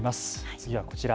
次はこちら。